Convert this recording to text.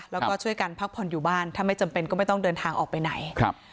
แล้วก็ช่วยกันพักผ่อนอยู่บ้านถ้าไม่จำเป็นก็ไม่ต้องเดินทางออกไปไหนครับ